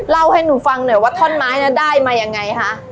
เล่าให้หนูฟังหน่อยว่าท่อนไม้นั้นได้มายังไงคะ